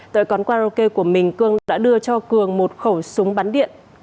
tại quán karaoke của mình cường đã đưa cho cường một khẩu súng bắn điện